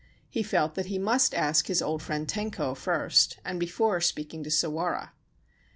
He felt that he must ask his old friend Tenko first, and before speaking to Sawara.